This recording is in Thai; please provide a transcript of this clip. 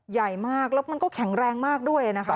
ใหญ่มากแล้วมันก็แข็งแรงมากด้วยนะคะ